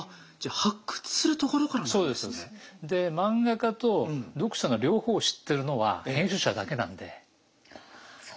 で漫画家と読者の両方を知ってるのは編集者だけなんで。